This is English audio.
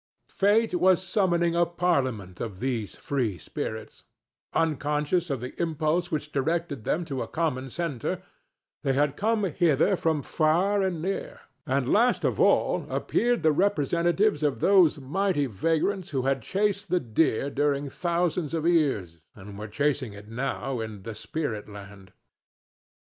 Fate was summoning a parliament of these free spirits; unconscious of the impulse which directed them to a common centre, they had come hither from far and near, and last of all appeared the representatives of those mighty vagrants who had chased the deer during thousands of years, and were chasing it now in the spirit land.